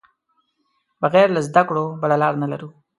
بغیر له زده کړو بله لار نه لرو.